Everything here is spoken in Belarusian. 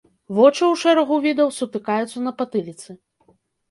Вочы ў шэрагу відаў сутыкаюцца на патыліцы.